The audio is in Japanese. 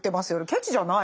ケチじゃない！